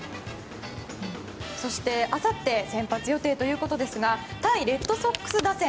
そして、あさって先発予定ということですが対レッドソックス打線